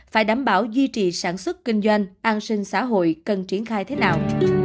phải đảm bảo duy trì sản xuất kinh doanh an sinh xã hội cần triển khai thế nào